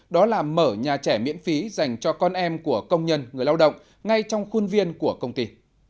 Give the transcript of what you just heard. đó là mở nhà trẻ miễn phí dành cho con em của công nhân người lao động ngay trong khuôn viên của công ty